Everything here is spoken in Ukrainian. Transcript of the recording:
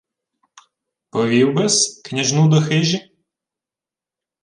— Повів би-с княжну до хижі?